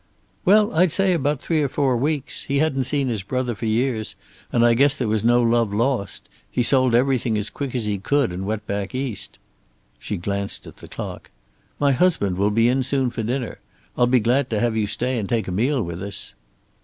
"Well, I'd say about three or four weeks. He hadn't seen his brother for years, and I guess there was no love lost. He sold everything as quick as he could, and went back East." She glanced at the clock. "My husband will be in soon for dinner. I'd be glad to have you stay and take a meal with us."